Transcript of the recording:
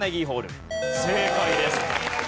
正解です。